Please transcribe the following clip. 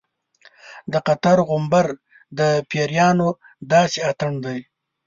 د قطر غومبر د پیریانو داسې اتڼ دی.